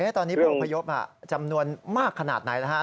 ตอนนี้ผู้อพยพจำนวนมากขนาดไหนนะครับ